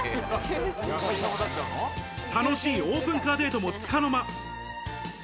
楽しいオープンカーデートも束の間。